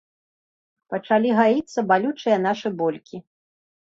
Пачалі гаіцца балючыя нашы болькі.